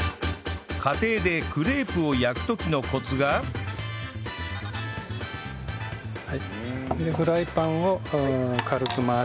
家庭でクレープを焼く時のコツがでフライパンを軽く回し。